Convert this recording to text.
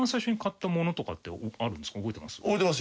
覚えてます？